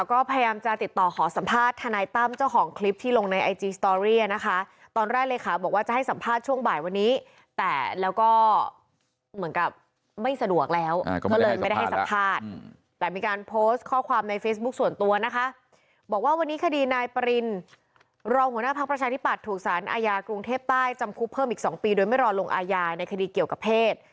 รองหัวหน้าภักษ์ประชาธิปัตย์ถูกสารอายากรุงเทพใต้จำคลุกเพิ่มอีก๒ปีโดยไม่รอลงอายาในคดีเกี่ยวกับเพศ